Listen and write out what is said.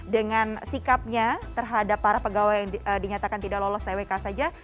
dengan sikapnya terhadap para pegawai yang dinyatakan tidak lolos twk saja